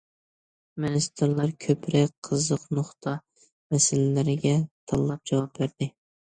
مىنىستىرلار كۆپرەك قىزىق نۇقتا مەسىلىلىرىگە تاللاپ جاۋاب بەردى.